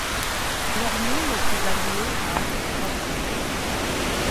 Leur nombre est évalué à personnes.